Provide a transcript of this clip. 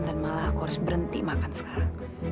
dan malah aku harus berhenti makan sekarang